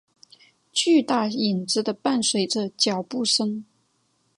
巨大影子的伴随着脚步声。